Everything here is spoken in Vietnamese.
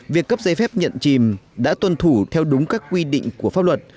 việc cấp giấy phép nhận chìm đã tuân thủ theo đúng các quy định của pháp luật